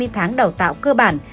hai mươi tháng đào tạo cơ bản